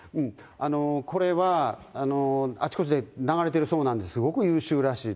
これはあちこちで流れてるそうなんです、すごく優秀らしいと。